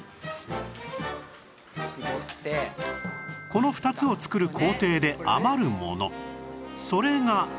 この２つを作る工程で余るものそれが